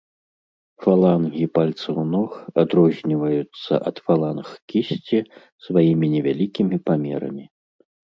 Фалангі пальцаў ног адрозніваюцца ад фаланг кісці сваімі невялікімі памерамі.